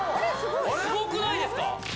すごくないですか？